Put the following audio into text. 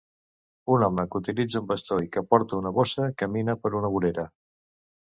Un home que utilitza un bastó i que porta una bossa camina per una vorera.